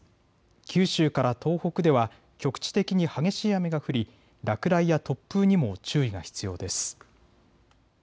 九州から東北では局地的に激しい雨が降り落雷や突風にも注意が必要です。